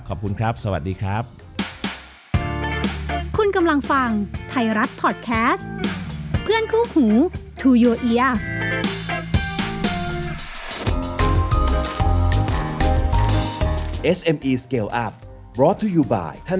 ขอบคุณครับสวัสดีครับ